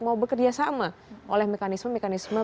mau bekerja sama oleh mekanisme mekanisme